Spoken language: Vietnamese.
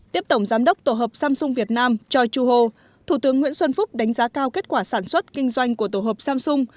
tiếp tổng giám đốc tổ hợp samsung việt nam choi chu ho thủ tướng nguyễn xuân phúc đánh giá cao kết quả sản xuất kinh doanh của tổ hợp samsung